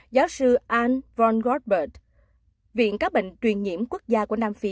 giáo sư anne von gottbert viện các bệnh truyền nhiễm quốc gia của nam phi